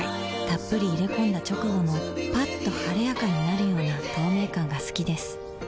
っぷり入れ込んだ直後のッと晴れやかになるような透明感が好きです